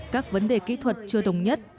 các vấn đề kỹ thuật chưa đồng nhất